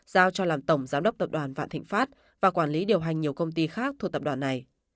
giao cho làm tổng giám đốc tập đoàn vạn thịnh pháp và quản lý điều hành nhiều công ty khác thuộc tập đoàn này